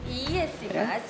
iya sih mas